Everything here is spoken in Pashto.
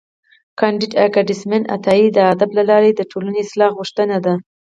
کانديد اکاډميسن عطایي د ادب له لارې د ټولني اصلاح غوښتې ده.